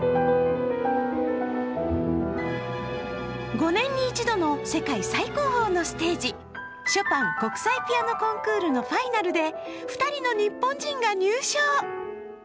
５年に１度の世界最高峰のステージ、ショパン国際ピアノ・コンクールのファイナルで２人の日本人が入賞。